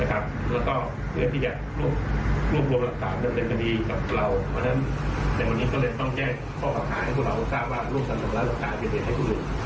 ลูกสำรวจหลักฐานเป็นเหตุผลให้ผู้อื่นไม่แก่คนตาย